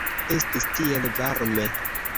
Estis tiel varme.